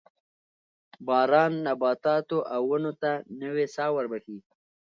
باران نباتاتو او ونو ته نوې ساه وربخښي